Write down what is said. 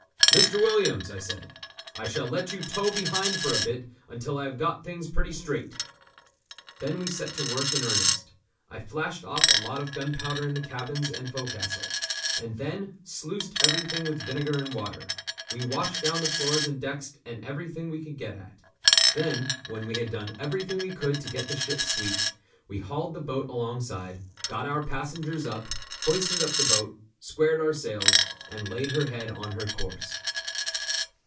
"Mr. Williams," I said, "I shall let you tow behind for a bit until I have got things pretty straight." Then we set to work in earnest. I flashed off a lot of gunpowder in the cabins and fo'castle, and then sluiced everything with vinegar and water. We washed down the floors and decks and everything we could get at. Then, when we had done everything we could to get the ship sweet, we hauled the boat alongside, got our passengers up, hoisted up the boat, squared our sails, and laid her head on her course.